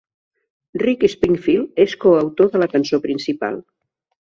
Rick Springfield és coautor de la cançó principal.